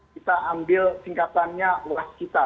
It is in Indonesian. kita ambil singkatannya wastita